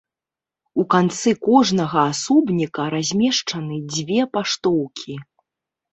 У канцы кожнага асобніка размешчаны дзве паштоўкі.